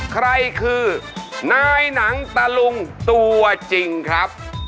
ใครคือนายหนังตะลุงตัวจริงครับ